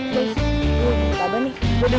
bahkan jadi anak kosong